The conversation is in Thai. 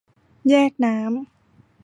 แยกน้ำ